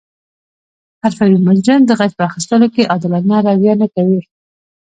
حرفوي مجرم د غچ په اخستلو کې عادلانه رویه نه کوي